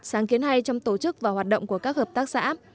sáng kiến hay trong tổ chức và hoạt động của các hợp tác xã